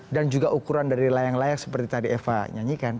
dan juga ukuran dari layang layang seperti tadi eva nyanyikan